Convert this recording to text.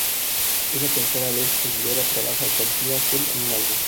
Es la tercera vez que Aguilera trabaja con Sia Furler en un álbum.